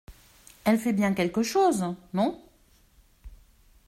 Elle fait bien quelque chose ? Non.